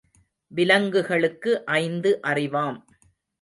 விலங்குகளுக்கு ஐந்து அறிவாம்.